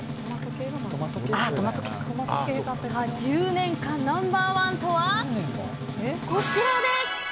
１０年間ナンバー１とはこちらです。